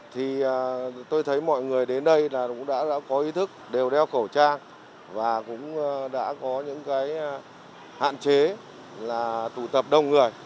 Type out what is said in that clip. thì tôi thấy mọi người đến đây là cũng đã có ý thức đều đeo khẩu trang và cũng đã có những cái hạn chế là tụ tập đông người